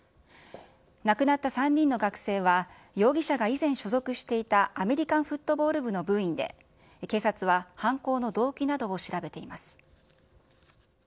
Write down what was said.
亡くなった３人の学生は、容疑者が以前所属していたアメリカンフットボール部の部員で、警察は犯行の動機などを調べています。